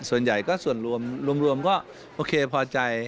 ส่วนใหญ่ก็ส่วนรวมก็โอเคพอใจ